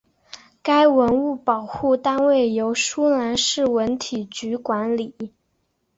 该文物保护单位由舒兰市文体局管理。